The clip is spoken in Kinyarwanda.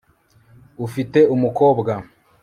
ufite umukobwa